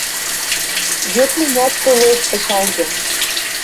Вет мӹнят тыл лошты шалгем...